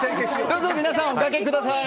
どうぞ皆さんおかけください。